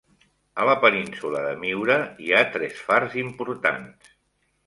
A la península de Miura, hi ha tres fars importants.